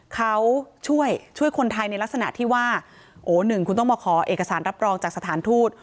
เขาช่วยช่วยคนไทยในลักษณะที่ว่าโอ้หนึ่งคุณต้องมาขอเอกสารรับรองจากสถานทูต